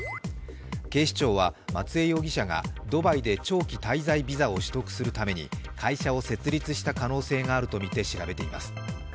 警視庁は松江容疑者がドバイで長期滞在ビザを取得するために会社を設立した可能性があるとみて調べています。